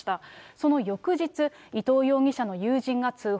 その翌日、伊藤容疑者の友人が通報。